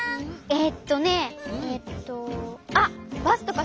えっとねえっと。